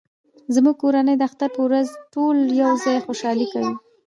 زموږ کورنۍ د اختر په ورځ ټول یو ځای خوشحالي کوي